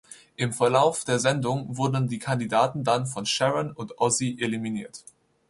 Im Verlauf der Sendung wurden die Kandidaten dann von Sharon und Ozzy eliminiert.